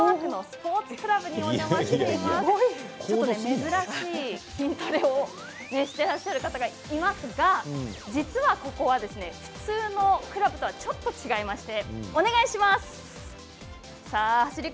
珍しい筋トレをしていらっしゃる方がいますが実はここは普通のクラブとはちょっと違いまして。